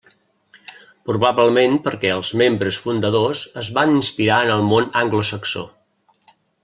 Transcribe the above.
Probablement perquè els membres fundadors es van inspirar en el món anglosaxó.